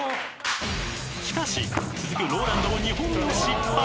［しかし続くＲＯＬＡＮＤも２本目失敗］